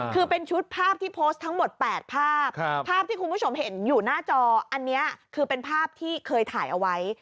คือเป็นชุดภาพที่โพสต์ทั้งหมด๘ภาพภาพที่คุณผู้ชมเห็นอยู่หน้าจออันนี้คือเป็นภาพที่เคยถ่ายเอาไว้